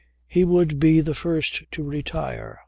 He would be the first to retire.